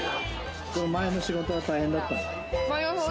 前の仕事は大変だったんですか？